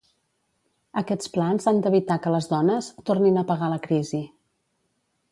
Aquests plans han d'evitar que les dones "tornin a pagar la crisi".